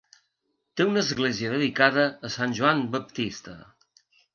Té una església dedicada a Sant Joan Baptista.